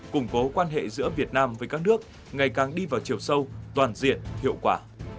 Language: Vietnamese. củng cố quan hệ giữa việt nam với các nước ngày càng đi vào chiều sâu toàn diện hiệu quả